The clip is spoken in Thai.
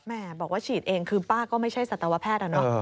แม่บอกว่าฉีดเองคือป้าก็ไม่ใช่สัตวแพทย์อะเนาะ